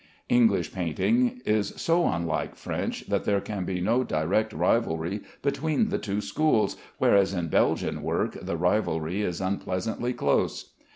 English painting is so unlike French that there can be no direct rivalry between the two schools, whereas in Belgian work the rivalry is unpleasantly close.